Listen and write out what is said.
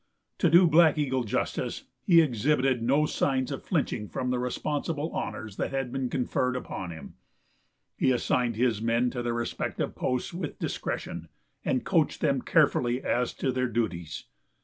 To do Black Eagle justice, he exhibited no signs of flinching from the responsible honours that had been conferred upon him. He assigned his men to their respective posts with discretion, and coached them carefully as to their duties.